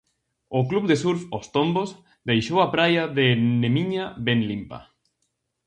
O club de surf Os Tombos deixou a praia de Nemiña ben limpa.